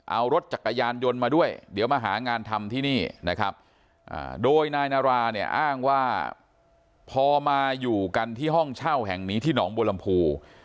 เอารถจักรยานยนต์มาด้วยเดี๋ยวมาหางานทำที่นี่นะครับโดยนายนาราเนี่ยอ้างว่าพอมาอยู่กันที่ห้องเช่าแห่งนี้ที่หนองบัวลำพู